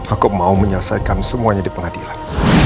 aku mau menyelesaikan semuanya di pengadilan